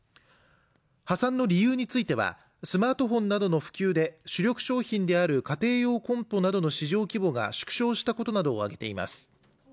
破産の理由についてはスマートフォンなどの普及で主力商品である家庭用コンポなどの市場規模が縮小したことなどを挙げています。